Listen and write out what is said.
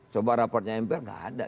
coba rapatnya mpr nggak ada